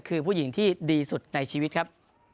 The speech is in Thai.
คือผู้หญิงที่ดีสุดในชีวิตครับ